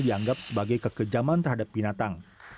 dianggap sebagai kekejaman terhadap binatang